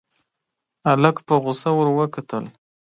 هلک په غوسه ور وکتل.